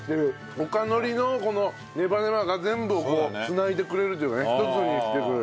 おかのりのこのネバネバが全部を繋いでくれるというかね一つにしてくれる。